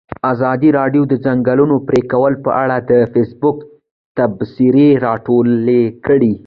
ازادي راډیو د د ځنګلونو پرېکول په اړه د فیسبوک تبصرې راټولې کړي.